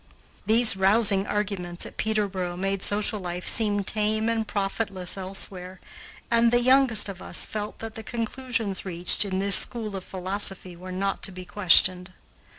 These rousing arguments at Peterboro made social life seem tame and profitless elsewhere, and the youngest of us felt that the conclusions reached in this school of philosophy were not to be questioned.